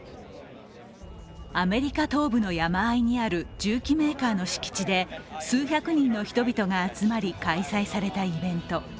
アメリカ東部の山あいにある銃器メーカーの敷地で数百人の人々が集まり開催されたイベント。